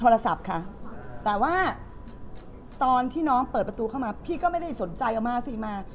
โทรศัพท์ค่ะแต่ว่าตอนที่น้องเปิดประตูเข้ามาพี่ก็ไม่ได้สนใจเอามาสิมา